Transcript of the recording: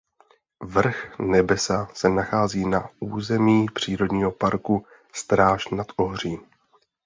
Vrch Nebesa se nachází na území přírodního parku Stráž nad Ohří.